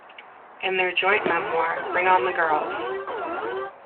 In their joint memoir Bring on the Girls!